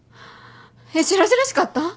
しらじらしかった？